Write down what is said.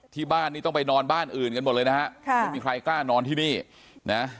ที่บ้านนี้ต้องไปนอนบ้านอื่นกันหมดเลยนะฮะค่ะไม่มีใครกล้านอนที่นี่นะ